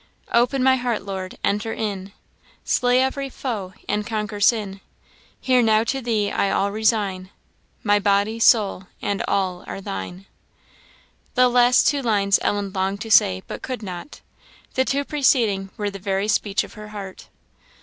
"Open my heart, Lord, enter in; Slay every foe, and conquer sin. Here now to thee I all resign My body, soul, and all are thine." The last two lines Ellen longed to say, but could not: the two preceding were the very speech of her heart.